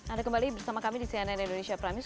anda kembali bersama kami di cnn indonesia prime news